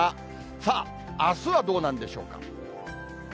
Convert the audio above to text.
さあ、あすはどうなんでしょうか。